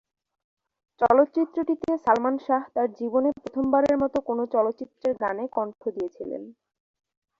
চলচ্চিত্রটিতে সালমান শাহ তার জীবনে প্রথমবারের মত কোনো চলচ্চিত্রের গানে কণ্ঠ দিয়েছিলেন।